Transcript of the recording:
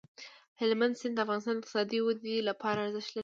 هلمند سیند د افغانستان د اقتصادي ودې لپاره ارزښت لري.